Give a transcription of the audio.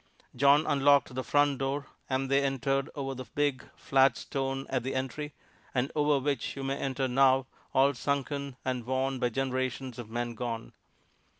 John unlocked the front door, and they entered over the big, flat stone at the entry, and over which you may enter now, all sunken and worn by generations of men gone.